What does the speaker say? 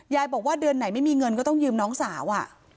บอกว่าเดือนไหนไม่มีเงินก็ต้องยืมน้องสาว